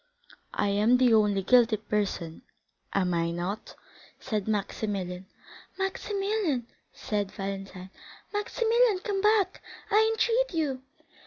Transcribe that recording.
"I am the only guilty person, am I not?" said Maximilian. "Maximilian!" said Valentine, "Maximilian, come back, I entreat you!"